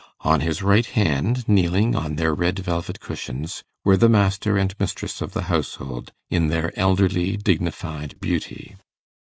On his right hand, kneeling on their red velvet cushions, were the master and mistress of the household, in their elderly dignified beauty.